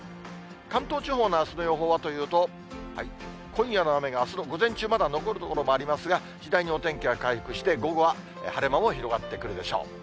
関東地方のあすの予報はというと、今夜の雨があすの午前中、まだ残る所もありますが、次第にお天気は回復して、午後は晴れ間も広がってくるでしょう。